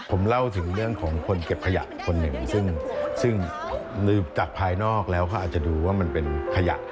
ผมเล่าถึงเรื่องของคนเก็บขยะคนหนึ่งซึ่งลืมจากภายนอกแล้วเขาอาจจะดูว่ามันเป็นขยะ